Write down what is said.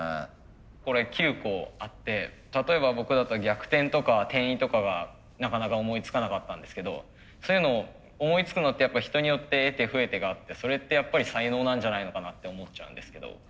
これ９個あって例えば僕だったら逆転とか転移とかがなかなか思いつかなかったんですけどそういうのを思いつくのってやっぱ人によって得手不得手があってそれってやっぱり才能なんじゃないのかなって思っちゃうんですけど。